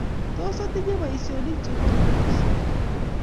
tos otinye boisionik che konu robisiek?